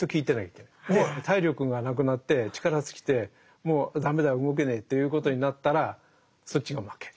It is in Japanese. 体力がなくなって力尽きてもう駄目だ動けねえということになったらそっちが負け。